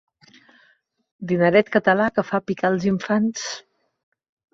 Dineret català que fa picar els infants.